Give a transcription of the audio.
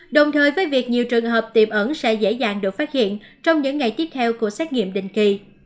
đồng thời với việc nhiều trường hợp tiềm ẩn sẽ dễ dàng được phát hiện trong những ngày tiếp theo của xét nghiệm định kỳ